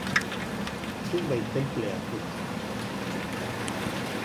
Zuk bai tenplea, zuk.